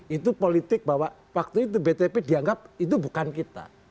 itu politik bahwa waktu itu btp dianggap itu bukan kita